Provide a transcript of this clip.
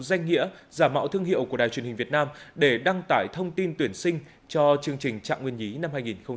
danh nghĩa giả mạo thương hiệu của đài truyền hình việt nam để đăng tải thông tin tuyển sinh cho chương trình trạng nguyên nhí năm hai nghìn hai mươi